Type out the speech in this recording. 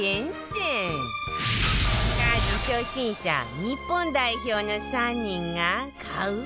家事初心者日本代表の３人が買う？